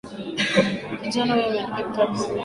Kijana huyo ameandika vitabu vingi sana